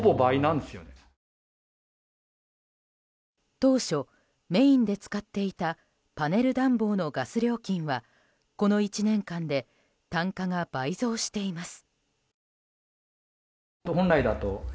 当初メインで使っていたパネル暖房のガス料金はこの１年間で単価が倍増しています。